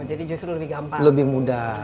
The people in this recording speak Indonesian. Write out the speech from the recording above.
jadi justru lebih mudah